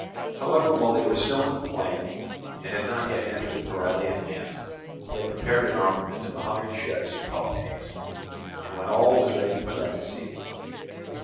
However, while they were still in the plain, and had not yet entered the Paralian land, he had prepared an armament of a hundred ships for Peloponnese, and when all was ready put out to sea.